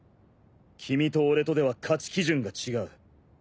君と俺とでは価値基準が違う。